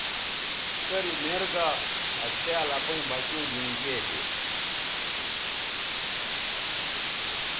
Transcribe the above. کرُو میر گا آ څھیال اپئیں بچوں گھِن گے دے۔